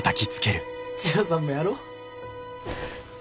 千代さんもやろ。